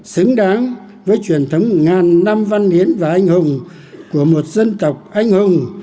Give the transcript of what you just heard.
xứng đáng với truyền thống ngàn năm văn hiến và anh hùng của một dân tộc anh hùng